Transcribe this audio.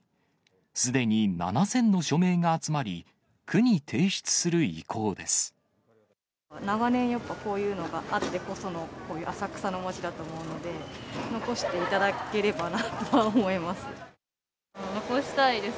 すでに７０００の署名が集まり、長年、やっぱこういうのがあってこその、こういう浅草の街だと思うので、残していただければなとは思います。